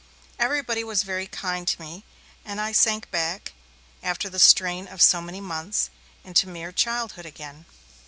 Everybody was very kind to me, and I sank back, after the strain of so many months, into mere childhood again.